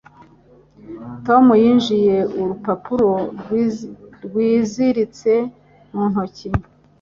Tom yinjije urupapuro rwiziritse mu ntoki.